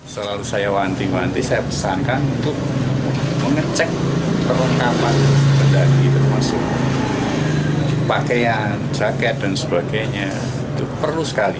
selalu saya wanti wanti saya pesankan untuk mengecek perlengkapan pendagi termasuk pakaian jaket dan sebagainya itu perlu sekali